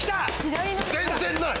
全然ない！